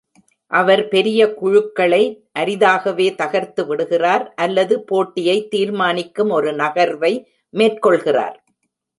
அவர் பெரிய குழுக்களை அரிதாகவே தகர்த்துவிடுகிறார் அல்லது போட்டியை தீர்மானிக்கும் ஒரு நகர்வை மேற்கொள்கிறார்.